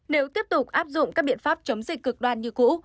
nếu tiếp tục áp dụng các biện pháp chống dịch cực đoan như cũ